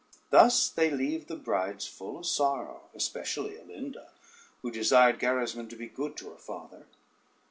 Thus they leave the brides full of sorrow, especially Alinda, who desired Gerismond to be good to her father.